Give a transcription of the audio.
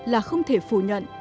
là không thể phủ nhận